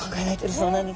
そうなんです。